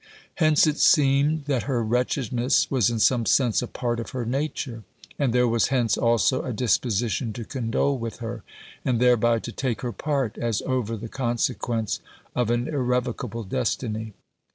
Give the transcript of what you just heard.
Hence it seemed that her wretchedness was in some sense a part of her nature, and there was hence also a disposition to condole with her, and thereby to take her part, as over the consequence of an irrevocable destiny.